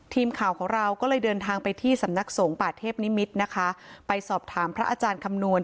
ทีมข่าวของเราก็เลยเดินทางไปที่สำนักสงฆ์ป่าเทพนิมิตรนะคะไปสอบถามพระอาจารย์คำนวณ